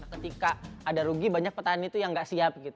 ketika ada rugi banyak petani yang tidak siap